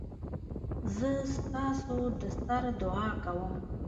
زه ستاسودسر دعاکوم